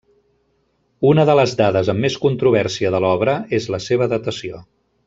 Una de les dades amb més controvèrsia de l'obra és la seva datació.